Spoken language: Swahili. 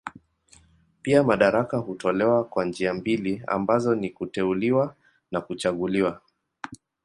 Pia madaraka hutolewa kwa njia mbili ambazo ni kuteuliwa na kuchaguliwa.